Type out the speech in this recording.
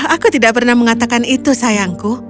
aku tidak pernah mengatakan itu sayangku